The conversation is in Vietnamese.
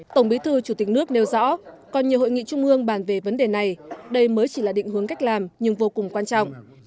tổng bí thư chủ tịch nước nêu rõ còn nhiều hội nghị trung ương bàn về vấn đề này đây mới chỉ là định hướng cách làm nhưng vô cùng quan trọng